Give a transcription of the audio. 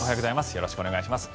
よろしくお願いします。